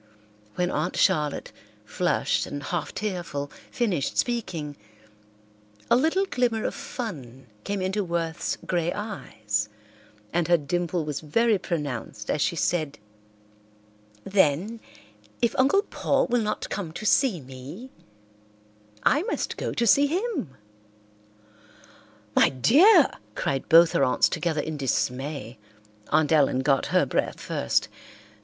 When Aunt Charlotte, flushed and half tearful, finished speaking, a little glimmer of fun came into Worth's grey eyes, and her dimple was very pronounced as she said, "Then, if Uncle Paul will not come to see me, I must go to see him." "My dear!" cried both her aunts together in dismay. Aunt Ellen got her breath first.